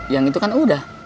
yang itu kan udah